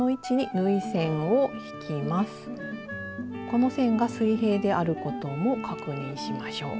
この線が水平であることも確認しましょう。